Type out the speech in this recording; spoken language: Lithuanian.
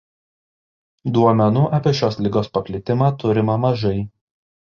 Duomenų apie šios ligos paplitimą turima mažai.